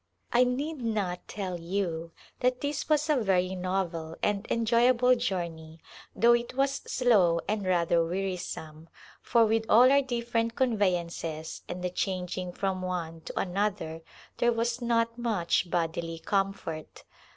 I need not tell you that this was a ver\" novel and enjoyable journey though it was slow and rather wearisome, for with all our different conveyances and the changing from one to another there was not much bodily comfort.